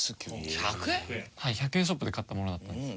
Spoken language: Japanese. １００円ショップで買ったものだったんですよ。